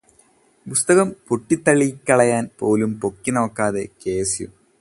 പുസ്തകം പൊടി തട്ടിക്കളയാൻ പോലും പൊക്കി നോക്കാത്ത, കെ.എസ്.യു.